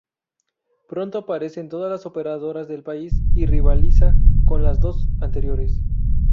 Pronto aparece en todas las operadoras del país, y rivaliza con las dos anteriores.